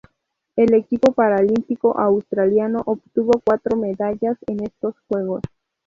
El equipo paralímpico australiano obtuvo cuatro medallas en estos Juegos.